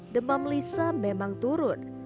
demam lisa memang turun